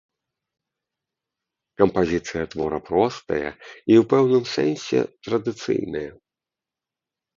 Кампазіцыя твора простая і ў пэўным сэнсе традыцыйная.